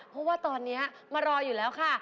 เพราะว่าตอนนี้มารออยู่แล้วค่ะ